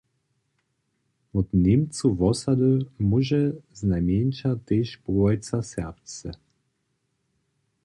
Wot Němcow wosady móže znajmjeńša tež połojca serbsce.